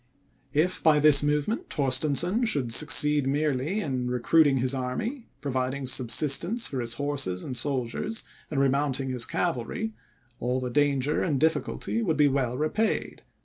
If by this movement, Torstensohn should succeed merely in recruiting his army, providing subsistence for his horses and soldiers, and remounting his cavalry, all the danger and difficulty would be well repaid.